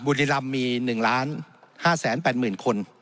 บุรีรำมี๑๕๘๐๐๐คน